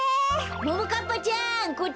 ももかっぱちゃんこっちこっち！